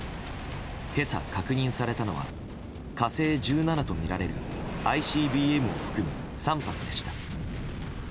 今朝、確認されたのは「火星１７」とみられるＩＣＢＭを含む３発でした。